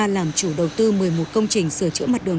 làm chủ đầu tư một mươi một công trình sửa chữa mặt đường